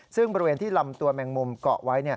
ซึ่งบริเวณที่ลำตัวแมงมุมเกาะไว้